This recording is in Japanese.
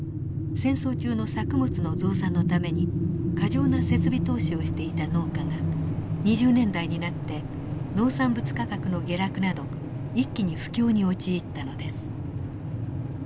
戦争中の作物の増産のために過剰な設備投資をしていた農家が２０年代になって農産物価格の下落など一気に不況に陥ったのです。